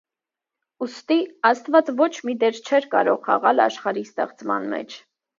Ուստի աստված ոչ մի դեր չէր կարող խաղալ աշխարհի ստեղծման մեջ։